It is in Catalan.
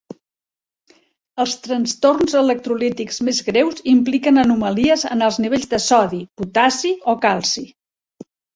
Els trastorns electrolítics més greus impliquen anomalies en els nivells de sodi, potassi o calci.